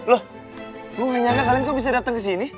loh gue ngenyata kalian kok bisa datang kesini